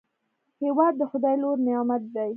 هېواد د خداي لوی نعمت دی.